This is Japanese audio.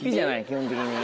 基本的に。